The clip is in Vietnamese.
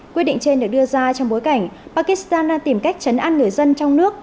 quyết định trên được đưa ra trong bối cảnh pakistan đang tìm cách chấn an người dân trong nước